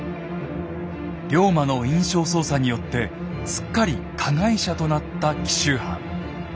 龍馬の印象操作によってすっかり加害者となった紀州藩。